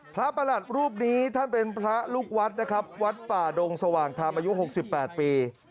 พระประหลัดรูปนี้ท่านเป็นพระลูกวัดนะครับวัดป่าดงสว่างทามอายุหกสิบแปดปี